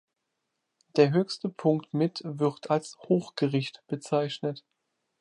Der höchste Punkt mit wird als "Hochgericht" bezeichnet.